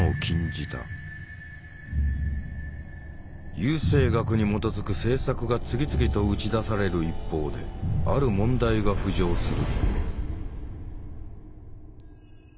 優生学に基づく政策が次々と打ち出される一方である問題が浮上する。